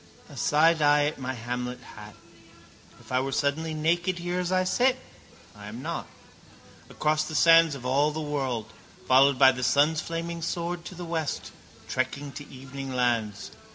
A side eye at my Hamlet hat. If I were suddenly naked here as I sit? I am not. Across the sands of all the world, followed by the sun's flaming sword, to the west, trekking to evening lands.